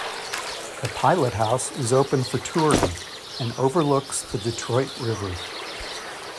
The pilot house is open for touring and overlooks the Detroit River.